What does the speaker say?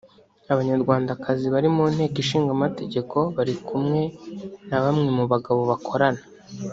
Abanyarwandakazi bari mu Nteko Ishinga Amategeko bari kumwe na bamwe mu bagabo bakorana